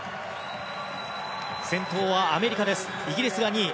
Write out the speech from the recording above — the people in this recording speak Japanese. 先頭アメリカ、イギリスが２位。